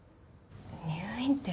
入院って。